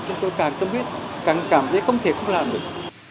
chúng tôi càng tâm huyết càng cảm thấy không thể không làm được